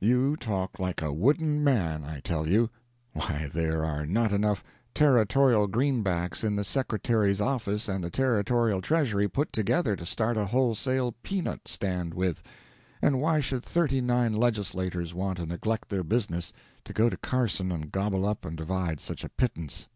You talk like a wooden man, I tell you. Why there are not enough "Territorial Greenbacks" in the Secretary's office and the Territorial Treasury put together to start a wholesale pea nut stand with; and why should thirty nine legislators want to neglect their business to go to Carson and gobble up and divide such a pittance?